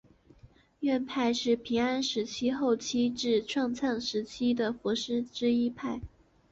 院派是平安时代后期至镰仓时代的佛师之一派。